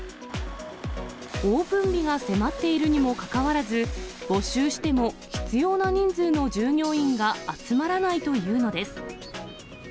オープン日が迫っているにもかかわらず、募集しても必要な人数の従業員が集まらないというのです。